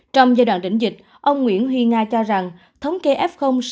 trong giai đoạn đỉnh dịch ông nguyễn huy nga cho rằng thống kê f sẽ không còn ý nghĩa